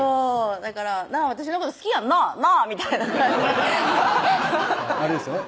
だから「私のこと好きやんな？なぁ？」みたいな感じであれですよね